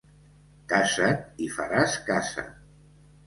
Casa't i faràs casa.